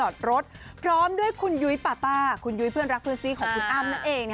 พร้อมด้วยคุณยุ้ยปาต้าคุณยุ้ยเพื่อนรักเพื่อนซีของคุณอ้ำนั่นเอง